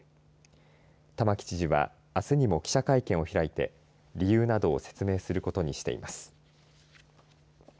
玉城知事はあすにも記者会見を開いて理由などを説明することにしています。